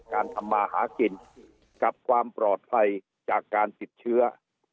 ทำมาหากินกับความปลอดภัยจากการติดเชื้อ